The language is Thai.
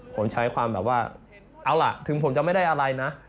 ผมใช้ความแบบว่าเอาล่ะถึงผมจะไม่ได้อะไรนะ